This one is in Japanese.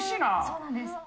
そうなんです。